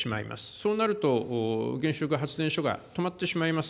そうなると原子力発電所が止まってしまいます。